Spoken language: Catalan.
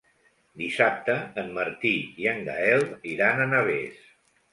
Dissabte en Martí i en Gaël iran a Navès.